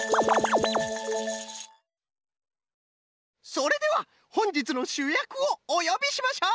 それではほんじつのしゅやくをおよびしましょう！